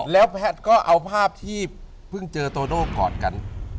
แล้วแพทย์ก็เอาภาพที่เพิ่งเจอโตโน่กอดกัน